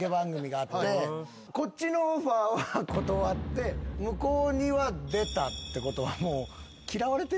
こっちのオファーは断って向こうには出たってことはもう。